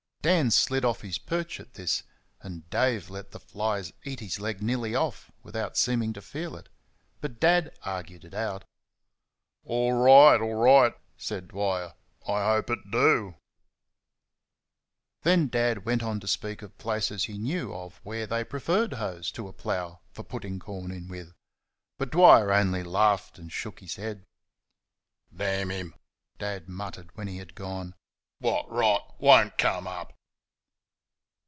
Dan slid off his perch at this, and Dave let the flies eat his leg nearly off without seeming to feel it; but Dad argued it out. "Orright, orright," said Dwyer; "I hope it do." Then Dad went on to speak of places he knew of where they preferred hoes to a plough for putting corn in with; but Dwyer only laughed and shook his head. "D n him!" Dad muttered, when he had gone; "what rot! WON'T COME UP!"